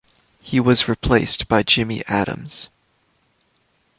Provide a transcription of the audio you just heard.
He was replaced by Jimmy Adams.